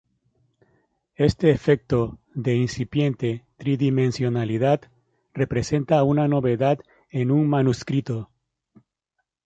Este efecto de incipiente tridimensionalidad representa una novedad en un manuscrito.